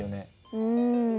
うん。